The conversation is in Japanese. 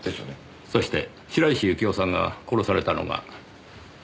そして白石幸生さんが殺されたのが。